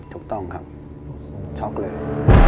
ถูกต้องครับช็อกเลย